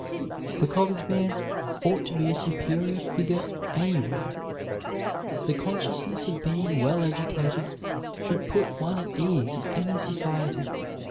The college man ought to be a superb figure anywhere. The consciousness of being well educated should put one at ease in any society.